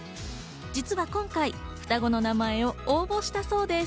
実は今回、双子の名前を応募したそうです。